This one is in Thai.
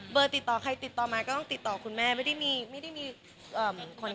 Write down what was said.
เบอร์ติดต่อใครติดต่อมาก็ต้องติดต่อคุณแม่ไม่ได้มีคนกลาง